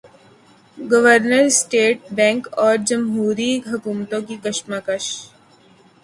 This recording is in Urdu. گورنر اسٹیٹ بینک اور جمہوری حکومتوں کی کشمکش